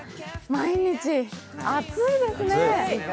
毎日暑いですね